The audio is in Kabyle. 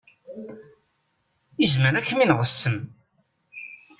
Izmer ad kem-ineɣ ssem.